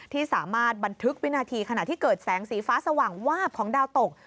ที่สามารถบันทึกวินาทีขณะที่เกิดแสงสีฟ้าสว่างวาบของดาวตก